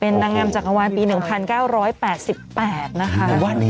นางงามจักรวาลปี๑๙๘๘นะคะ